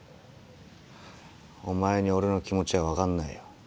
お前に俺の気持ちは分かんないよ。